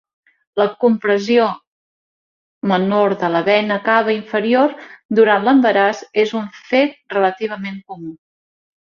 La compressió menor de la vena cava inferior durant l'embaràs és un fet relativament comú.